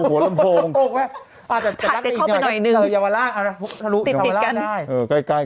ฟังลูกครับ